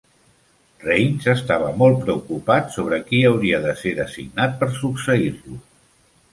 Raynes estava molt preocupat sobre qui hauria de ser designat per succeir-lo.